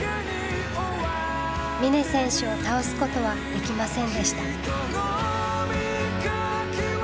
峰選手を倒すことはできませんでした。